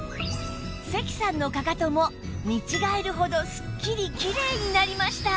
関さんのかかとも見違えるほどすっきりきれいになりました